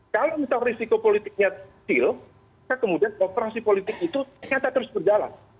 kalau misalnya risiko politiknya civil kemudian operasi politik itu ternyata terus berjalan